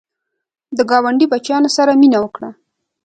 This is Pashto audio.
د ګاونډي بچیانو سره مینه وکړه